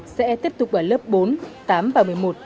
sẽ tiếp tục ở lớp bốn tám và một mươi một